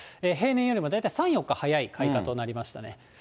平年よりも大体３、４日早い開花となりましたね。